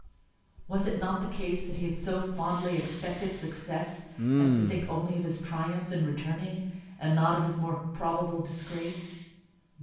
Was it not the case that he had so fondly expected success, as to think only of his triumph in returning, and not of his more probable disgrace?